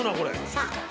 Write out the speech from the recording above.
さあ。